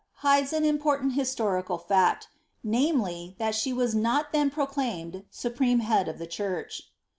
hides an im portant historical fact — namely, that she was not then proclaimed supreme head of the church.